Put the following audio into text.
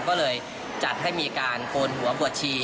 ก็เลยจัดให้มีการโกนหัวบวชชี